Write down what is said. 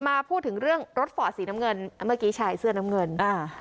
มาพูดถึงเรื่องรถฝ่อสีน้ำเงินเมื่อกี้ชายเสื้อน้ำเงินอ่า